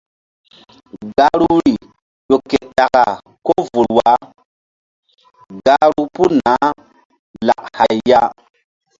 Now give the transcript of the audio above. Gahruri ƴo ke ɗaka ko vul wah gahru puh naah lak hay ya.